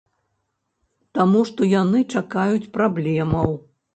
Таму што яны чакаюць праблемаў.